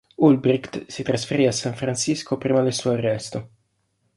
Ulbricht si trasferì a San Francisco prima del suo arresto.